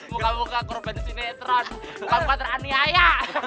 muka muka korban sinetron muka muka teraniaya